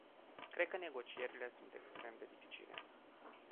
Cred că negocierile sunt extrem de dificile.